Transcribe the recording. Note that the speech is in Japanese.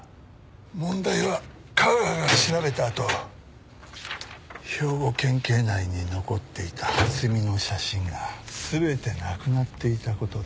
問題は架川が調べたあと兵庫県警内に残っていた蓮見の写真が全てなくなっていた事だ。